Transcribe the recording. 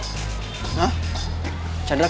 ah pokoknya dia nggak ada